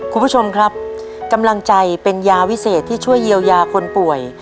คุณผู้ชมครับกำลังใจเป็นยาวิเศษที่ช่วยเยียวยาคนป่วย